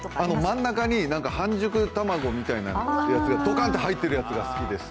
真ん中に半熟卵みたいなやつがドカンと入っているやつが好きです。